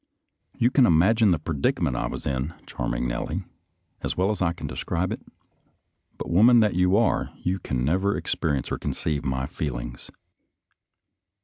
You can imagine the predicament I was in. Charming Nellie, as well as I can describe it; but woman that you are, you can never expe rience or conceive my feelings.